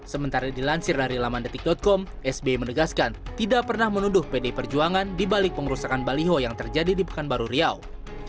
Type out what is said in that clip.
sementara dilansir dari lamandetik com sbi menegaskan tidak pernah menuduh pdi perjuangan dibalik pengerusakan baliho yang terjadi di pekanbaru riau